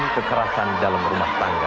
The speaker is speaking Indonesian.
kekerasan dalam rumah tangga